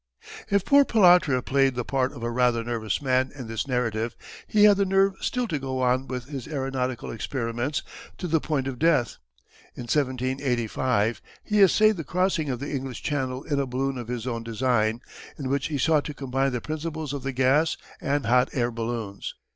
If poor Pilatre played the part of a rather nervous man in this narrative he had the nerve still to go on with his aeronautical experiments to the point of death. In 1785 he essayed the crossing of the English Channel in a balloon of his own design, in which he sought to combine the principles of the gas and hot air balloons.